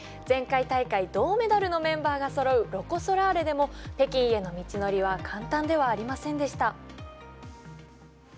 前回大会銅メダルのメンバーがそろうロコ・ソラーレでも北京への道のりは簡単ではありませんでした。